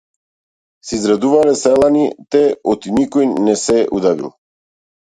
Се израдувале селаните оти никој не се удавил.